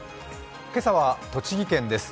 今朝は栃木県です。